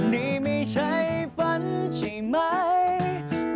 นี่ไม่ใช่ฝันใช่ไหม